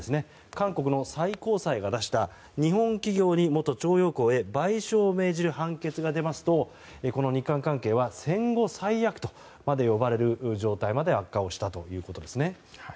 韓国の最高裁が出した日本企業に元徴用工へ賠償を命じる判決が出ますとこの日韓関係は戦後最悪とまで呼ばれる状態まで悪化をしたということです。